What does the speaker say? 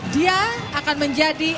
dia akan menjadi